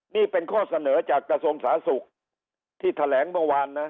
นี่เป็นข้อเสนอจากกระทรวงสาธารณสุขที่แถลงเมื่อวานนะ